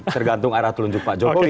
tergantung arah telunjuk pak jokowi